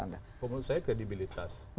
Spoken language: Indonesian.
menurut saya kredibilitas